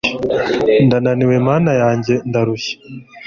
Ndananiwe Mana yanjye ndarushye